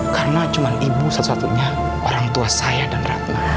karena cuma ibu satu satunya orang tua saya dan ratna